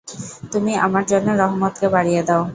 তুমি আমার জন্য রহমতকে বাড়িয়ে দাও।